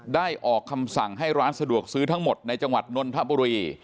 ออกคำสั่งให้ร้านสะดวกซื้อทั้งหมดในจังหวัดนนทบุรี